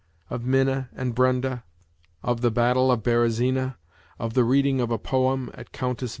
of Minna and Brenda, of the battle of Berezina, of the reading of a poem at Countess V.